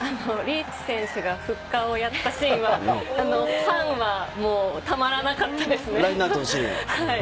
リーチ選手がフッカーをやったシーンはファンはたまらなかったですね。